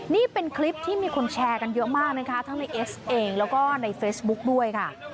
นี่เป็นคลิปที่มีคนแชร์กันเยอะมากนะคะทั้งในเอสเองแล้วก็ในเฟซบุ๊กด้วยค่ะ